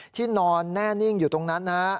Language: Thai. ที่นอนแน่นิ่งอยู่ตรงนั้น